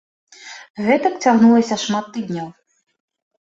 Гэтак цягнулася шмат тыдняў.